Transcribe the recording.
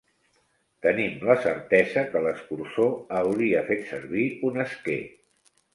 Tenim la certesa que l'Escurçó hauria fet servir un esquer.